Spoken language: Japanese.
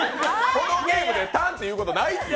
このゲームでタンっていうことないって。